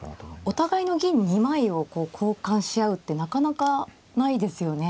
お互いの銀２枚を交換し合うってなかなかないですよね。